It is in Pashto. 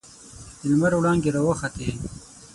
د لمر وړانګې راوخوتې.